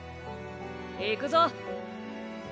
行くぞ。